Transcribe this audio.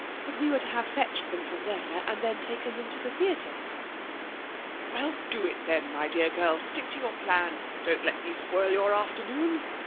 But we were to have fetched them from there and then taken them on to the theatre!' 'Well, do it, then, my dear girl! Stick to your plan. Don't let me spoil your afternoon!